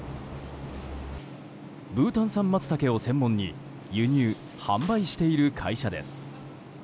ブータン産マツタケを専門に輸入・販売している会社です。